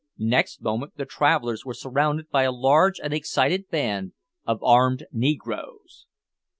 Next moment the travellers were surrounded by a large and excited band of armed negroes.